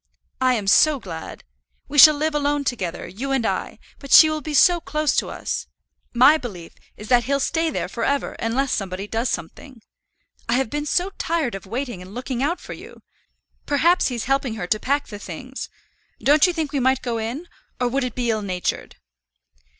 I am so glad. We shall live alone together, you and I; but she will be so close to us! My belief is that he'll stay there for ever unless somebody does something. I have been so tired of waiting and looking out for you. Perhaps he's helping her to pack the things. Don't you think we might go in; or would it be ill natured?"